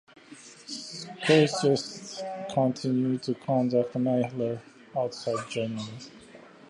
Schuricht continued to conduct Mahler outside Germany.